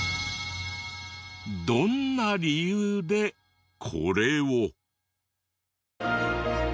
どんな理由でこれを？